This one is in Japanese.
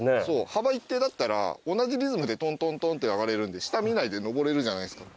幅、一定だったら、同じリズムでトントントンって上がれるんで下、見ないで上れるじゃないですか。